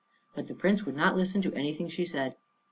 But the Prince would not listen to anything she said.